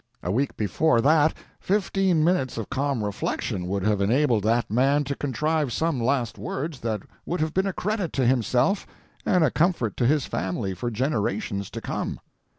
A week before that fifteen minutes of calm reflection would have enabled that man to contrive some last words that would have been a credit to himself and a comfort to his family for generations to come.